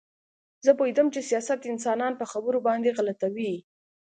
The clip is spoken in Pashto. زه پوهېدم چې سیاست انسانان په خبرو باندې غلطوي